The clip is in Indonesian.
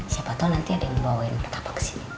siapa tau nanti ada yang bawa martabak kesini